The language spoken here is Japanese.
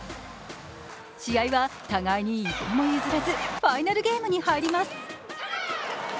試合は互いに１歩も譲らずファイナルゲームに入ります。